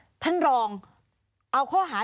มีความรู้สึกว่ามีความรู้สึกว่า